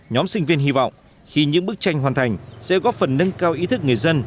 nhóm sinh viên hy vọng khi những bức tranh hoàn thành sẽ góp phần nâng cao ý thức người dân